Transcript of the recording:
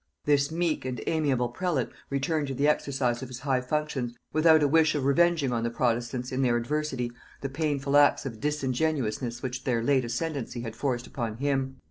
This meek and amiable prelate returned to the exercise of his high functions, without a wish of revenging on the protestants, in their adversity, the painful acts of disingenuousness which their late ascendency had forced upon him.